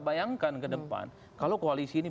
bayangkan ke depan kalau koalisi ini